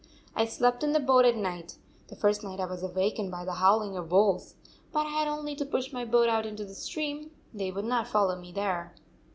I slept in the boat at night. The first night I was awakened by the howling of wolves. But I had only to push my boat out into the stream. They would not follow me there.